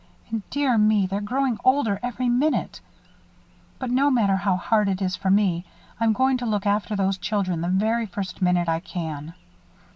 And dear me, they're growing older every minute. But, no matter how hard it is for me, I'm going to look after those children the very first minute I can."